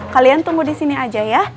kalian tunggu disini aja ya